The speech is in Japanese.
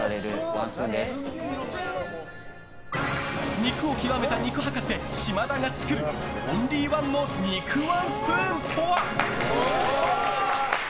肉を極めた肉博士・島田が作るオンリーワンの肉ワンスプーンとは。